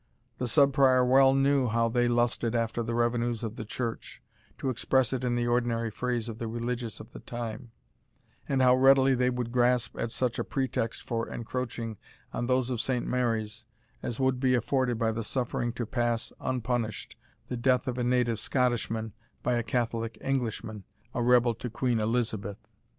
The Sub Prior well knew how they lusted after the revenues of the Church, (to express it in the ordinary phrase of the religious of the time,) and how readily they would grasp at such a pretext for encroaching on those of Saint Mary's, as would be afforded by the suffering to pass unpunished the death of a native Scottishman by a Catholic Englishman, a rebel to Queen Elizabeth.